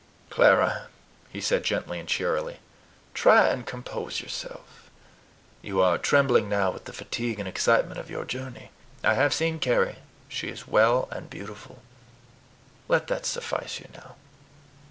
"Clara," he said gently and cheerily, "try and compose yourself. You are trembling now with the fatigue and excitement of your journey. I have seen Carry; she is well and beautiful. Let that suffice you now."